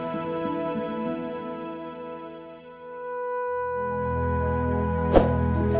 saya tidak senang aja